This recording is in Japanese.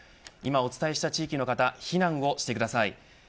今お伝えした地域の方は避難をしてください。